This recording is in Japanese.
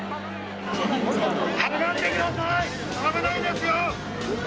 下がってください、危ないですよ！